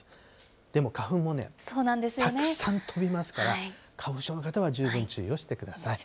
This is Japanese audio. でも花粉もね、たくさん飛びますから、花粉症の方は十分注意をしてください。